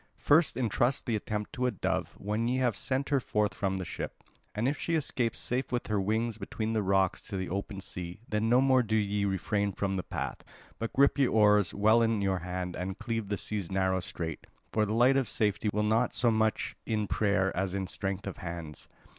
First entrust the attempt to a dove when ye have sent her forth from the ship. And if she escapes safe with her wings between the rocks to the open sea, then no more do ye refrain from the path, but grip your oars well in your hands and cleave the sea's narrow strait, for the light of safety will be not so much in prayer as in strength of hands.